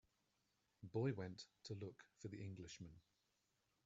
The boy went to look for the Englishman.